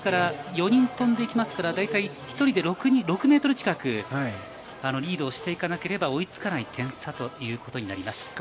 ４人飛んでいきますから１人で６ｍ近くリードをしていかなければ追いつかない点差ということになります。